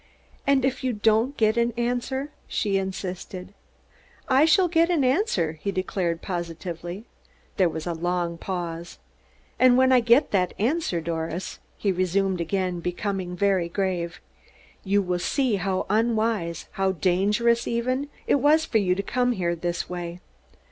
"And if you don't get an answer?" she insisted. "I shall get an answer," he declared positively. There was a long pause. "And when I get that answer, Doris," he resumed, again becoming very grave, "you will see how unwise, how dangerous even, it was for you to come here this way.